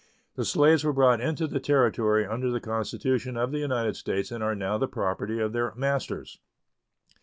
The slaves were brought into the Territory under the Constitution of the United States and are now the property of their masters.